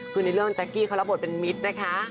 คือในเรื่องแจ๊กกี้เขารับบทเป็นมิตรนะคะ